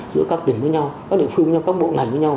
giữa các tỉnh với nhau các địa phương nhau các bộ ngành với nhau